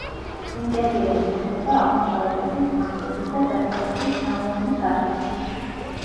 ინტერიერი ნათდება აღმოსავლეთის, სამხრეთის და დასავლეთის თაღოვანი სარკმლებით.